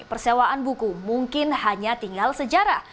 persewaan buku mungkin hanya tinggal sejarah